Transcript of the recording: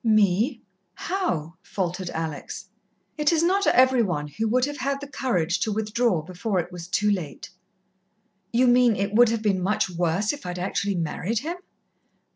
"Me how?" faltered Alex. "It is not every one who would have had the courage to withdraw before it was too late." "You mean, it would have been much worse if I'd actually married him?"